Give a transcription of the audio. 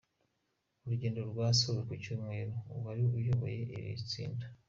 Urugendo rwasojwe kucyumweru uwari uyoboye iri tsinda Past.